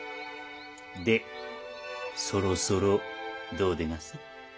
でそろそろどうでがす？